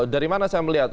dari mana saya melihat